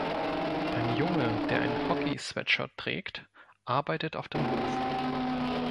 Ein Junge, der ein Hockey-Sweatshirt trägt, arbeitet auf dem Hof.